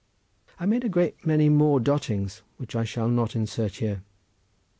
I made a great many more dottings, which I shall not insert here.